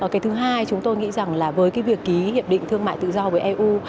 cái thứ hai chúng tôi nghĩ rằng là với cái việc ký hiệp định thương mại tự do với eu